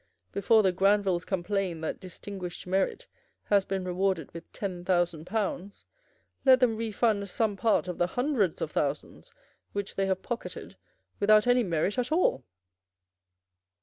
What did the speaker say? Before the Granvilles complain that distinguished merit has been rewarded with ten thousand pounds, let them refund some part of the hundreds of thousands which they have pocketed without any merit at all.